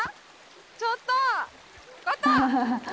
ちょっと琴！